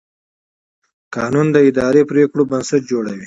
قانون د اداري پرېکړو بنسټ جوړوي.